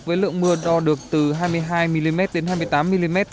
với lượng mưa đo được từ hai mươi hai mm đến hai mươi tám mm